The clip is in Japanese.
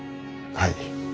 はい。